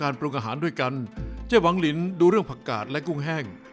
ปรุงอาหารด้วยกันเจ๊หวังลินดูเรื่องผักกาดและกุ้งแห้ง